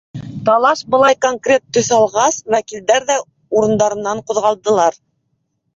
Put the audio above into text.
Талаш былай конкрет төҫ алғас, вәкилдәр ҙә урындарынан ҡуҙғалдылар.